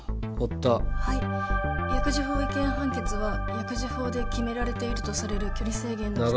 薬事法違憲判決は薬事法で決められているとされる距離制限の規定。